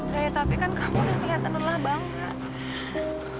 ya tapi kan kamu udah kelihatan lelah bangga